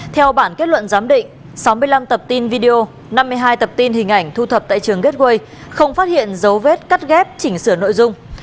theo bản kết luận giám định sáu mươi năm tập tin video năm mươi hai tập tin hình ảnh thu thập tại trường gateway không phát hiện dấu vết cắt ghép chỉnh sửa nội dung